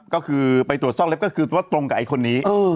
ก็คือไปตรวจซอกเล็บตรงกับอีกคนนี้